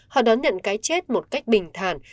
họ đón nhận cái chết một cách bình thản